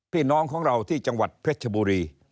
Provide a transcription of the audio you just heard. พี่น้องของเราที่จังหวัดเพชรชบุรี